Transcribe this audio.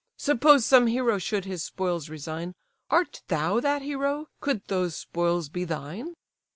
Suppose some hero should his spoils resign, Art thou that hero, could those spoils be thine?